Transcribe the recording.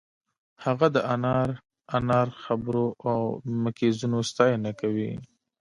هغه د انار انار خبرو او مکیزونو ستاینه کوي